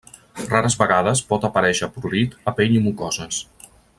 Rares vegades pot aparèixer prurit a pell i mucoses.